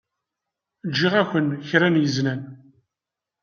Ǧǧiɣ-ak-n kra n yiznan.